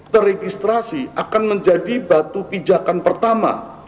teregistrasi akan menjadi batu pijakan pertama